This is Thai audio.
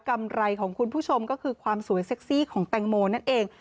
กำไรของคุณผู้ชมก็คือความสวยเซ็กซี่ของแตงโมนั่นเอง